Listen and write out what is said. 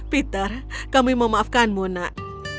peter kami memaafkanmu nak